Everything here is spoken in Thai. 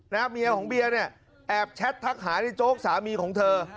เมียของเบียร์เนี่ยแอบแชททักหาในโจ๊กสามีของเธอ